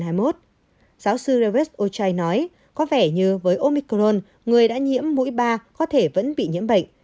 giáo sư rebes ochai nói có vẻ như với omicron người đã nhiễm mũi ba có thể vẫn bị nhiễm bệnh